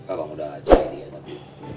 abang udah cari dia tapi